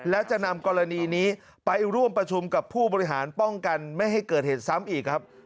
และจะนำกรณีนี้ไปร่วมประชุมกับผู้บริหารป้องกันไม่ให้เกิดเหตุซ้ำอีกครับ